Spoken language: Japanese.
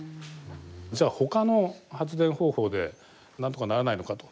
じゃあほかの発電方法でなんとかならないのかと。